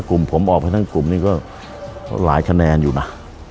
กลุ่มผมออกไปทั้งกลุ่มนี้ก็หลายคะแนนอยู่นะ